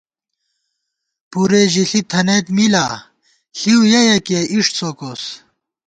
پُرے ژِݪی تھنَئیت می لا ، ݪِؤ یَیَکِیہ اِݭ څوکوس